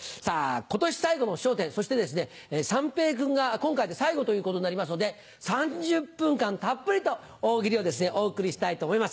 今年最後の『笑点』そしてですね三平君が今回で最後ということになりますので３０分間たっぷりと「大喜利」をお送りしたいと思います。